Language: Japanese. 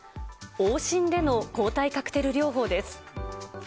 往診での抗体カクテル療法です。